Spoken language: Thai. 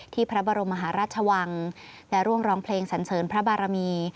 พระบรมมหาราชวังและร่วมร้องเพลงสันเสริญพระบารมี